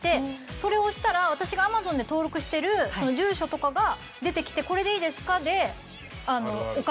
それを押したら私がＡｍａｚｏｎで登録してる住所とかが出てきて「これでいいですか？」でお会計したんです。